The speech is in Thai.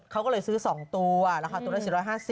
เขาก็เลยซื้อ๒ตัวราคาตัวละ๔๕๐